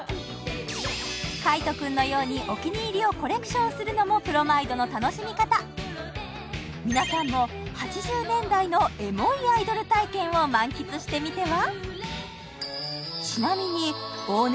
海音くんのようにお気に入りをコレクションするのもプロマイドの楽しみ方皆さんも８０年代のエモいアイドル体験を満喫してみては？